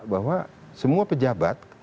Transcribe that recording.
bahwa semua pejabat